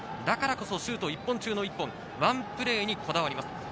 だからこそシュート１本中の１本、ワンプレーにこだわります。